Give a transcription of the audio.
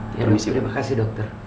terima kasih dokter